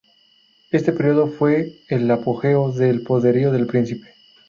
Este periodo fue el de apogeo del poderío del príncipe.